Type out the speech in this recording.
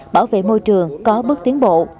bảo vệ môi trường có bước tiến bộ